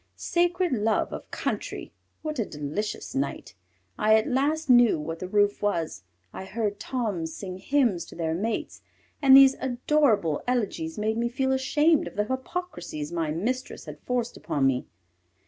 Sacred love of country! What a delicious night! I at last knew what the roof was. I heard Toms sing hymns to their mates, and these adorable elegies made me feel ashamed of the hypocrisies my mistress had forced upon me.